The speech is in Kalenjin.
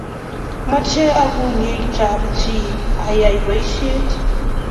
mamche agul iyeto ab chiii ayae boishet